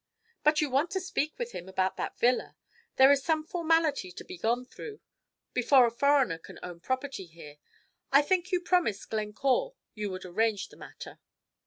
"But you want to speak with him about that villa; there is some formality to be gone through before a foreigner can own property here. I think you promised Glencore you would arrange the matter."